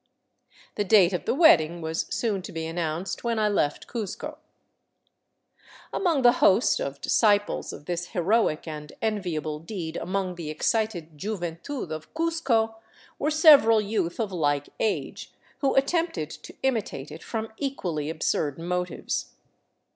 The date of the wedding was soon to be announced when I left Cuzco. Among the host of disciples of this heroic and enviable deed among the ex citable juventud of Cuzco were several youth of Hke age, who at 442 THE CITY OF THE SUN tempted to imitate it from equally absurd motives.